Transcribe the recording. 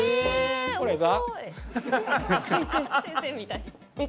これが。